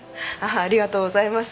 ありがとうございます。